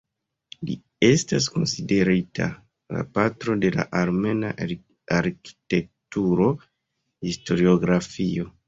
Li estas konsiderita "la patro de la armena arkitektura historiografio.